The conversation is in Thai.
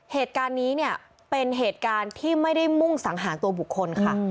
เหตุการณ์นี้เนี่ยเป็นเหตุการณ์ที่ไม่ได้มุ่งสังหารตัวบุคคลค่ะ